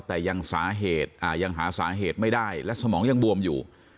แต่ยังหาสาเหตุไม่ได้และสมองยังบวมอยู่